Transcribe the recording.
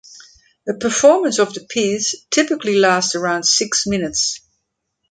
A performance of the piece typically lasts around six minutes.